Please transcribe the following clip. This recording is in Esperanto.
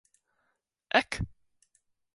ek!